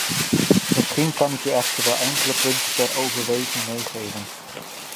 Misschien kan ik u echter wel enkele punten ter overweging meegeven.